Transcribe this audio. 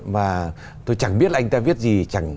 mà tôi chẳng biết là anh ta viết gì